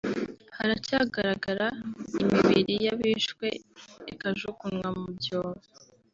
haracyagaragara imibiri y’abishwe ikajugunywa mu byobo